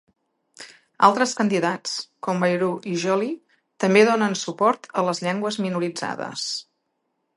Altres candidats, com Bayrou i Joly, també donen suport a les llengües minoritzades.